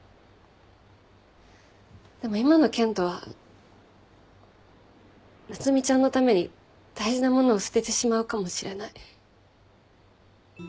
でも今の健人は夏海ちゃんのために大事なものを捨ててしまうかもしれない。